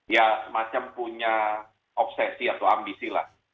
jadi semacam punya obsesi atau ambisi lah